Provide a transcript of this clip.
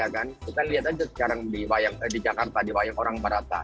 kita lihat aja sekarang di jakarta di wayang orang barata